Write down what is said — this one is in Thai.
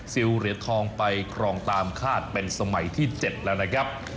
เหรียญทองไปครองตามคาดเป็นสมัยที่๗แล้วนะครับ